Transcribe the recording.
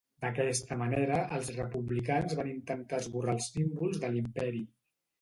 D'aquesta manera, els republicans van intentar esborrar els símbols de l'Imperi.